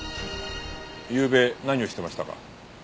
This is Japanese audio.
ゆうべ何をしてましたか？